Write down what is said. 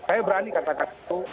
saya berani kata kata itu